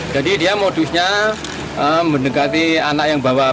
jadi dia modusnya mendekati anak yang bawa hp di sekolah